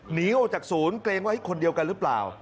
หนีออกจากศูนย์เกรงว่าคนเดียวกันหรือเปล่า